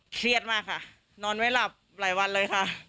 เครียดมากค่ะนอนไม่หลับหลายวันเลยค่ะ